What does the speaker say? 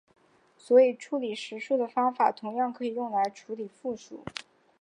所以处理实数的方法同样可以用来处理复数。